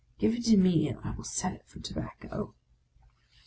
Give it to me, and I will sell it for tobacco."